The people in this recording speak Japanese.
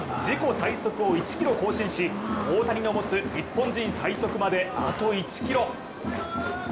自己最速を１キロ更新し大谷の持つ日本人最速まであと１キロ。